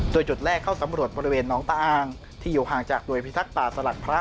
โดยจุดแรกเข้าสำรวจบริเวณน้องตาอ้างที่อยู่ห่างจากหน่วยพิทักษ์ป่าสลัดพระ